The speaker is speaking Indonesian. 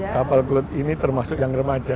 kapal club ini termasuk yang remaja